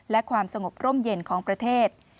และความสงบร่มเย็นของประเทศ